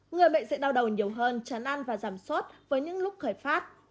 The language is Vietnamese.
người bệnh sẽ đau đầu nhiều hơn chán ăn và giảm sốt với những lúc khởi phát